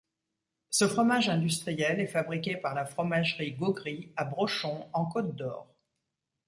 Ce fromage industriel est fabriqué par la Fromagerie Gaugry à Brochon en Côte-d'Or.